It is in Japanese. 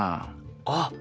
あっ！